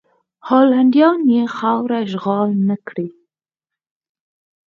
هالنډیان یې خاوره اشغال نه کړي.